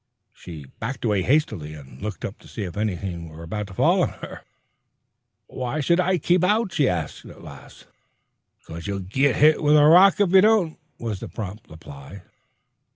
She backed away hastily, and looked up to see if anything were about to fall on her. "Why should I keep out?" she asked at last. "'Cause you'll git hit with a rock if you don't," was the prompt reply.